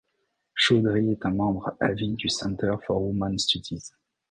Chowdhry est membre à vie du Center for Women Studies.